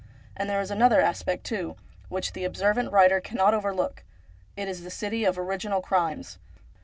And there is another aspect, too, which the observant writer cannot over look ; it is the city of original crimes.